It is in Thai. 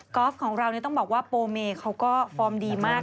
อล์ฟของเรานี่ต้องบอกว่าโปเมเขาก็ฟอร์มดีมาก